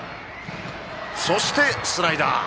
そして、スライダー。